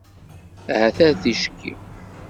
Ahat ar ticki.